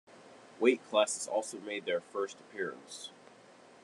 Weight classes also made their first appearance.